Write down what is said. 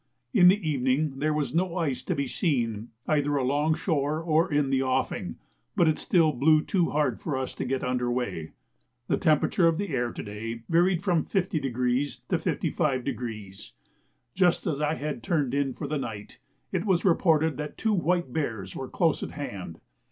In the evening there was no ice to be seen either along shore or in the offing, but it still blew too hard for us to get under weigh. The temperature of the air to day varied from 50° to 55°. Just as I had turned in for the night, it was reported that two white bears were close at hand.